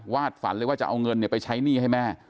ฝันเลยว่าจะเอาเงินไปใช้หนี้ให้แม่